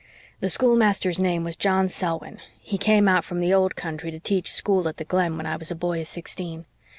"The schoolmaster's name was John Selwyn. He came out from the Old Country to teach school at the Glen when I was a boy of sixteen.